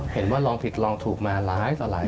เห็นว่าลองผิดลองถูกมาหลายครั้ง